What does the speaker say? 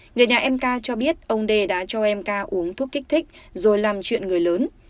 người nhà mk cho biết ông đê đã cho mk uống thuốc kích thích rồi làm chuyện người lớn